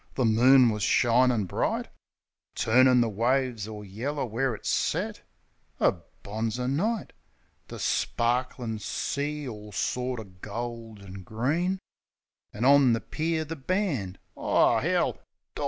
The moon was shinin' bright, Turnin' the waves all yeller where it set — A bonzer night! The sparklin' sea all sorter gold an' green; An' on the pier the band — O, 'Ell! ... Doreen!